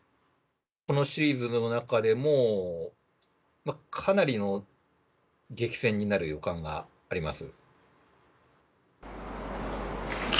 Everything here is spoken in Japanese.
このシリーズの中でも、かなりの激戦になる予感があります。